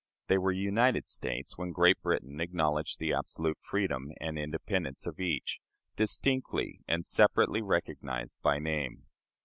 They were "united States" when Great Britain acknowledged the absolute freedom and independence of each, distinctly and separately recognized by name.